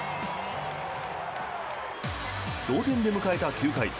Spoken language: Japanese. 同点で迎えた９回。